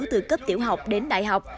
từ cấp tiểu học đến đại học